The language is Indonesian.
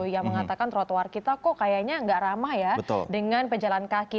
yang mengatakan trotoar kita kok kayaknya nggak ramah ya dengan pejalan kaki